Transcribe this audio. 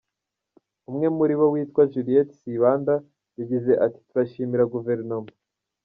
Umwe muri bo witwa Juliet Sibanda yagize ati "Turashimira guverinoma.